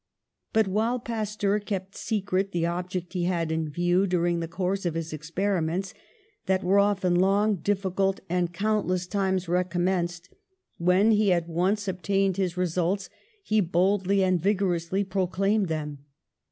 But, while Pasteur kept secret the object he had in view during the course of his experi ments that were often long, difficult and count less times recommenced, when he had once ob 74 PASTEUR tained his results he boldly and vigorously pro claimed them.